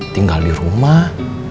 tinggal di rumah